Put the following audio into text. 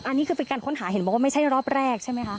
อันนี้คือเป็นการค้นหาเห็นบอกว่าไม่ใช่รอบแรกใช่ไหมคะ